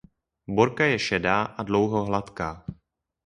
Borka je šedá a dlouho hladká.